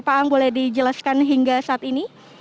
pak ang boleh dijelaskan hingga saat ini